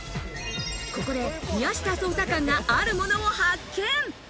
ここで宮下捜査官があるものを発見。